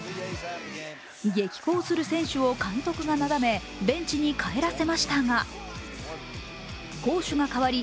激高する選手を監督がなだめベンチに帰らせましたが攻守が変わり